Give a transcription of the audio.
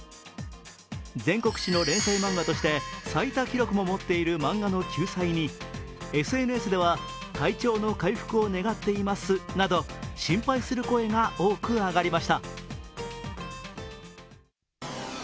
全国紙の連載漫画として最多記録も持っている漫画の休載にＳＮＳでは体調の回復を願っていますなど心配する声が多く上がりました。